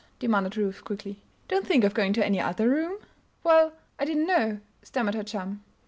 demanded Ruth, quickly. "Don't think of going to any other room." "Well I didn't know," stammered her chum.